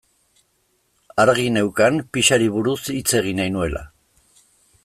Argi neukan pixari buruz hitz egin nahi nuela.